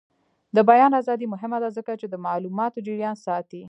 د بیان ازادي مهمه ده ځکه چې د معلوماتو جریان ساتي.